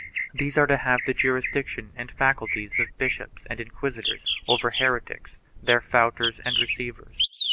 These are to have the jurisdiction and facul ties of bishops and inquisitors over heretics, their fautors and receivers.